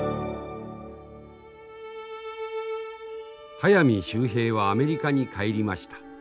速水秀平はアメリカに帰りました。